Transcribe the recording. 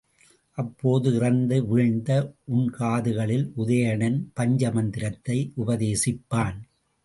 அப்போது இறந்து வீழ்ந்த உன்காதுகளில், உதயணன் பஞ்ச மந்திரத்தை உபதேசிப்பான்.